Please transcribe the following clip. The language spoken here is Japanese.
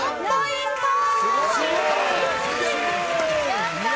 やったー！